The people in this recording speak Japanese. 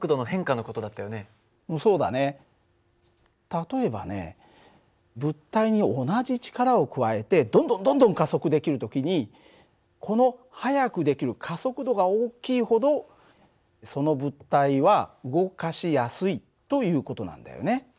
例えばね物体に同じ力を加えてどんどんどんどん加速できる時にこの速くできる加速度が大きいほどその物体は動かしやすいという事なんだよね。